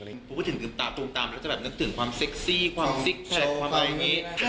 เราก็คิดถึงตาตรงตามแล้วจะนึกถึงความเซ็กซี่ความซิกความอะไรแบบนี้